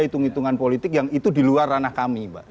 hitung hitungan politik yang itu di luar ranah kami mbak